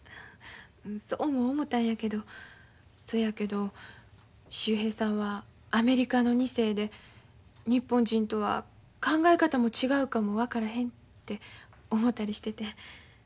そうも思たんやけどそやけど秀平さんはアメリカの二世で日本人とは考え方も違うかも分からへんて思たりしててん。